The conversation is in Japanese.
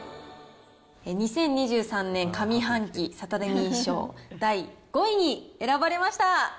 ２０２３年上半期サタデミー賞第５位に選ばれました。